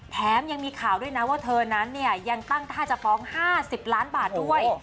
แถมยังมีข่าวด้วยนะว่าเธอนั้นเนี่ยยังตั้งท่าจะฟ้อง๕๐ล้านบาทด้วย